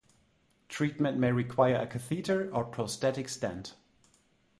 Treatment may require a catheter or prostatic stent.